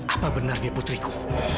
apa benar dia putriku